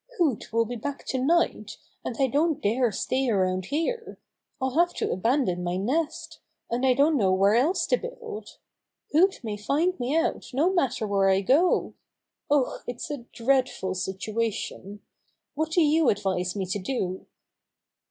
Hoot will be back tonight, and I don't dare stay around here. I'll have to abandon my nest, and I don't know where else to build. Hoot may find me out no matter where I go. Oh, it's a dreadful situation! What do you advise me to do?"